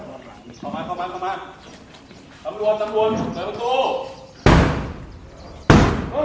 ตำรวจแห่งมือ